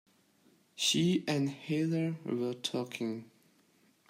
She and Heather were talking.